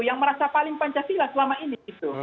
yang merasa paling pancasila selama ini